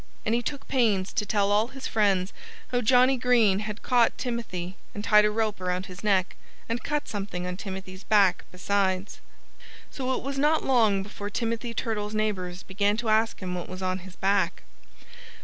And he took pains to tell all his friends how Johnnie Green had caught Timothy and tied a rope around his neck, and cut something on Timothy's back, besides. [Illustration: "Let me go!" Fatty Coon shrieked.] So it was not long before Timothy Turtle's neighbors began to ask him what was on his back.